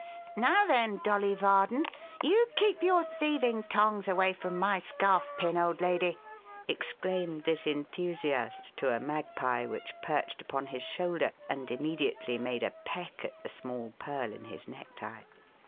"Now then, Dolly Varden, you keep your thieving tongs away from my scarfpin, old lady!" exclaimed this enthusiast to a magpie which perched upon his shoulder and immediately made a peck at the small pearl in his necktie.